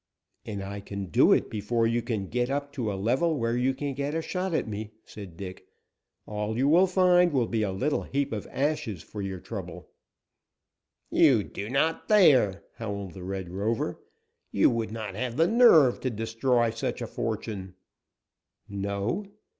"And I can do it before you can get up to a level where you can get a shot at me," said Dick. "All you will find will be a little heap of ashes for your trouble." "You do not dare!" howled the Red Rover. "You would not have the nerve to destroy such a fortune!" "No?"